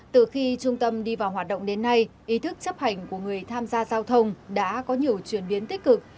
từ khi trung tâm đi vào hoạt động đến nay ý thức chấp hành của người tham gia giao thông đã có nhiều chuyển biến tích cực